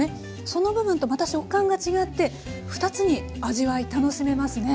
その部分とまた食感が違って２つに味わい楽しめますね。